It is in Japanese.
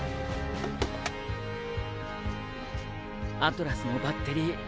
アトラスのバッテリー。